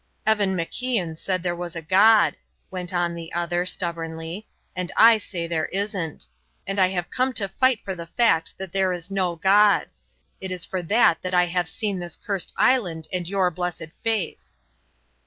"Evan MacIan said there was a God," went on the other, stubbornly, "and I say there isn't. And I have come to fight for the fact that there is no God; it is for that that I have seen this cursed island and your blessed face."